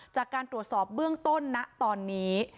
จากการตรวจสอบเบื้องต้นนะตอนนี้